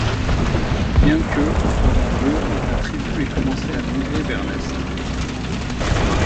Bien que, pendant le la tribu ait commencé à migrer vers l'est.